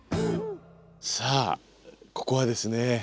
さあここはですね